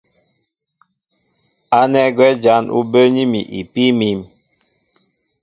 Ánɛ́ gwɛ́ jǎn ú bəə́ní mi ipíí mǐm.